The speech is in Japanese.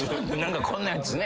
こんなやつね。